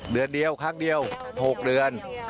เดือนเดียวครั้งเดียว๖เดือน